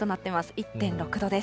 １．６度です。